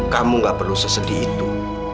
kamu gak perlu sesedih itu